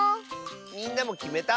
みんなもきめた？